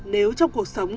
nếu trong cuộc sống